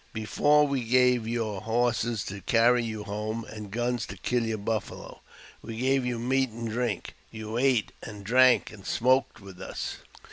Before, we gave you horses to carry you home, and guns to kill your buffalo ; w^e gave you meat and drink ; you ate, and drank, and smoked with us.